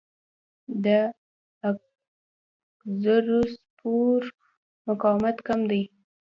د اګزوسپور مقاومت کم دی.